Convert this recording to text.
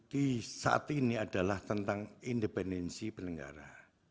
di saat ini adalah tentang independensi penyelenggara